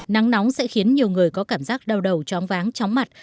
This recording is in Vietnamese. nắng nóng sẽ khiến nhiều người có cảm giác đau đầu choáng váng chóng mặt